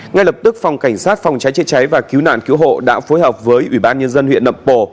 ngay lập tức phòng cảnh sát phòng cháy chế cháy và cứu nạn cứu hộ đã phối hợp với ubnd huyện nậm pồ